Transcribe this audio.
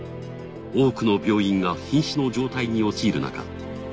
多くの病院が瀕死の状態に陥るなか